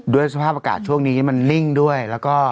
สภาพอากาศช่วงนี้มันลิ่งด้วยแล้วก็